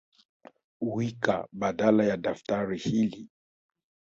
Wika badala ya daftari hili